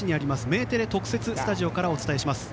メテレ特別スタジオからお伝えします。